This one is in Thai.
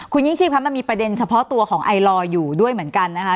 คุณยิ่งชีพครับมันมีประเด็นเฉพาะตัวของไอลอร์อยู่ด้วยเหมือนกันนะคะ